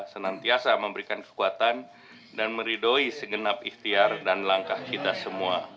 senantiasa memberikan kekuatan dan meridoi segenap ikhtiar dan langkah kita semua